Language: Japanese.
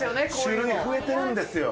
種類増えてるんですよ。